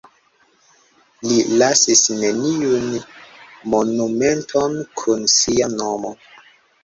Li lasis neniun monumenton kun sia nomo.